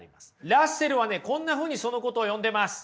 ラッセルはねこんなふうにそのことを呼んでます。